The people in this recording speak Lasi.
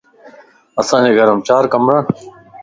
اسان جي گھرم چار ڪمرا ان